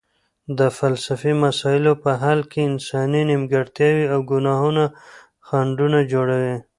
د فلسفي مسایلو په حل کې انساني نیمګړتیاوې او ګناهونه خنډونه جوړوي.